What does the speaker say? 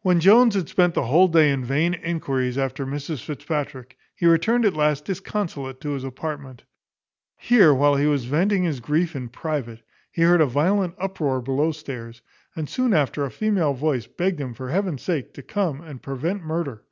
When Jones had spent the whole day in vain enquiries after Mrs Fitzpatrick, he returned at last disconsolate to his apartment. Here, while he was venting his grief in private, he heard a violent uproar below stairs; and soon after a female voice begged him for heaven's sake to come and prevent murder.